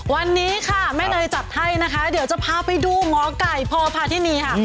วันนี้ค่ะแม่เนยจัดให้นะคะเดี๋ยวจะพาไปดูหมอไก่พพาธินีค่ะ